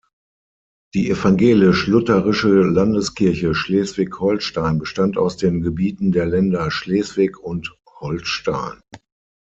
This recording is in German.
Die Evangelisch-Lutherische Landeskirche Schleswig-Holstein bestand aus den Gebieten der Länder Schleswig und Holstein.